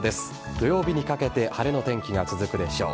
土曜日にかけて晴れの天気が続くでしょう。